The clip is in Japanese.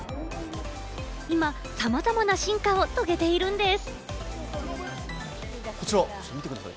今、さまざまな進化を遂げているんです。